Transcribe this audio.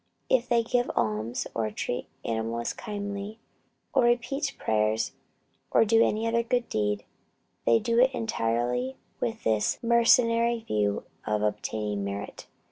If they give alms, or treat animals kindly, or repeat prayers, or do any other good deed, they do it entirely with this mercenary view of obtaining merit.